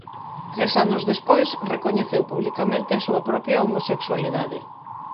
Tres anos despois recoñeceu publicamente a súa propia homosexualidade.